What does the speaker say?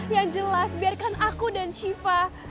yang jelas biarkan aku dan shiva